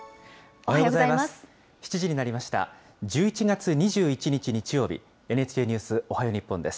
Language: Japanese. おはようございます。